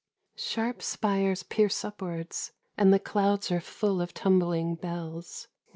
GOTHIC. SHARP spires pierce upwards, and the clouds are full of tumbling bells.